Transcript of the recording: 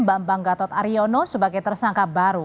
mbak banggatot aryono sebagai tersangka baru